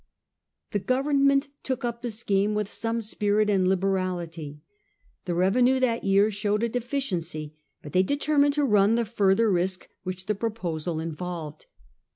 The Government took up thh scheme with some spirit and liberality. The revenue that year showed a deficiency, but they determined to run the further risk which the proposal involved.